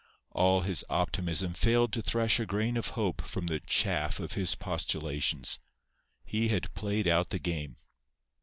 All his optimism failed to thresh a grain of hope from the chaff of his postulations. He had played out the game.